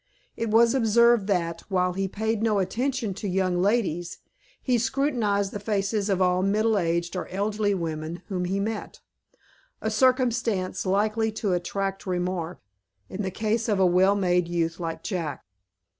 It was observed that, while he paid no attention to young ladies, he scrutinized the faces of all middle aged or elderly women whom he met, a circumstance likely to attract remark, in the case of a well made youth like Jack.